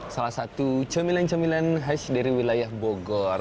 salah satu comelan comelan hash dari wilayah bogor